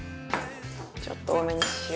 ちょっと多めに塩。